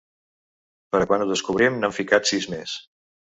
Per a quan ho descobrim, n’han ficat sis més.